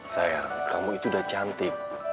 sayang kamu itu udah cantik